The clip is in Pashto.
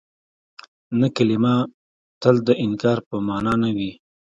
نه کلمه تل د انکار په مانا نه وي.